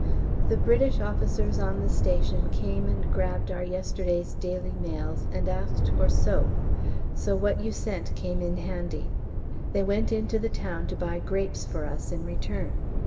The British officers on the station came and grabbed our yesterday's 'Daily Mails,' and asked for soap, so what you sent came in handy. They went in to the town to buy grapes for us in return.